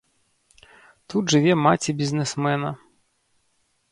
Тут жыве маці бізнэсмена.